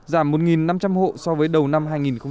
giảm một năm trăm linh hộ so với đầu năm hai nghìn một mươi chín